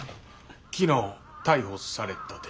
昨日逮捕されたて。